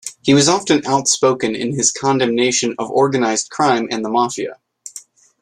He was often outspoken in his condemnation of organized crime and the mafia.